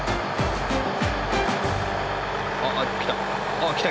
あっ来た。